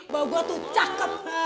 bahwa gue tuh cakep